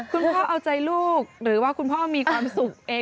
พ่อเอาใจลูกหรือว่าคุณพ่อมีความสุขเอง